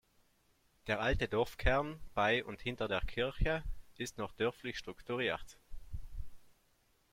Der alte Dorfkern bei und hinter der Kirche ist noch dörflich strukturiert.